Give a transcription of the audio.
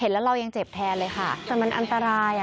แล้วเรายังเจ็บแทนเลยค่ะแต่มันอันตรายอ่ะ